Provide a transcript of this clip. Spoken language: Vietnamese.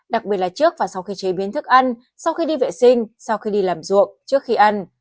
đặc biệt là trước và sau khi chế biến thức ăn sau khi đi vệ sinh sau khi đi làm ruộng trước khi ăn